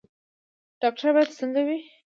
ډاکټر باید څنګه وي؟